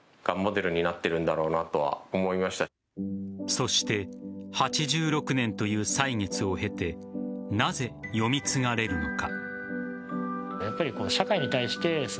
そして８６年という歳月を経てなぜ読み継がれるのか。